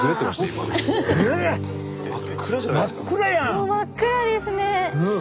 もう真っ暗ですね。